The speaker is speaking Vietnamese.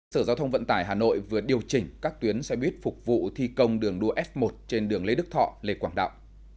sở giao thông vận tải hà nội vừa điều chỉnh các tuyến xe buýt phục vụ thi công đường đua f một trên đường lê đức thọ lê quảng đạo